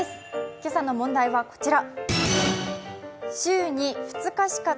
今朝の問題はこちら。